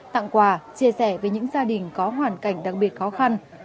tặng quà chia sẻ với những gia đình có hoàn cảnh đặc biệt khó khăn